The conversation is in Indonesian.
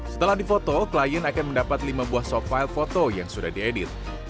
setelah difoto klien akan mendapat lima buah soft file foto yang sudah diedit